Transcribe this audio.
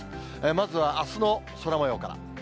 まずはあすの空もようから。